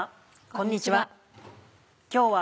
こんにちは。